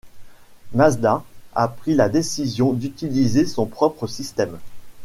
Mazda a pris la décision d'utiliser son propre système.